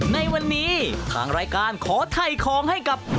ในวันนี้ทางรายการขอถ่ายของให้กับ